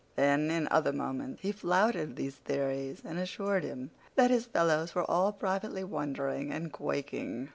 Then, in other moments, he flouted these theories, and assured him that his fellows were all privately wondering and quaking.